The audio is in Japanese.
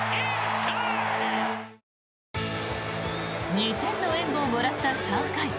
２点の援護をもらった３回。